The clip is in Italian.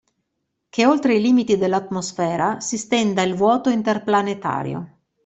Che oltre i limiti dell'atmosfera si stenda il vuoto interplanetario.